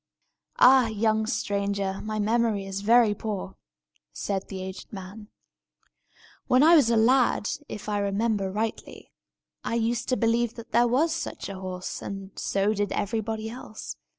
"Ah, young stranger, my memory is very poor!" said the aged man. "When I was a lad, if I remember rightly, I used to believe there was such a horse, and so did everybody else.